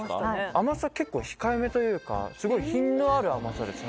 甘さ結構控えめというかすごい品のある甘さです。